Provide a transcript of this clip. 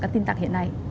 của các tin tặc hiện nay